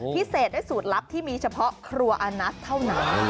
พิเศษได้สูตรลับที่มีเฉพาะครัวอานัสเท่านั้น